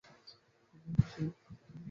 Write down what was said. দেখো সে এখনই কত খুশি হয়ে গেছে।